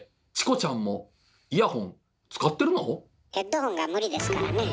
ヘッドホンが無理ですからねぇ。